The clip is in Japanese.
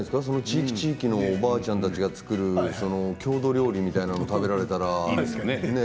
その地域地域のおばあちゃんたちが作る郷土料理みたいのが食べられたらね。